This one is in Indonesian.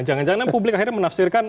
jangan jangan publik akhirnya menafsirkan